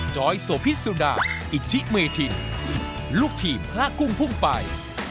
จอยโสพิษสุดาอิทธิเมทินลูกทีมพระกุ้งพุ่งไป